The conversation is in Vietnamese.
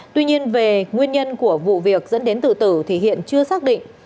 tuy nhiên về nguyên nhân của vụ việc dẫn đến tự tử thì hiện chưa xác định